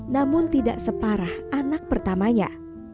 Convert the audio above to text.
namun tidak separah anak pertamanya